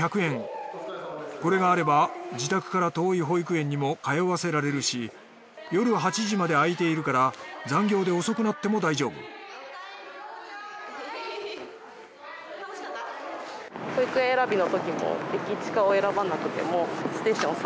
これがあれば自宅から遠い保育園にも通わせられるし夜８時まで開いているから残業で遅くなっても大丈夫楽しかった？